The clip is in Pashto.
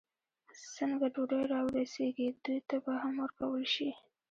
څنګه ډوډۍ را ورسېږي، دوی ته به هم ورکول شي.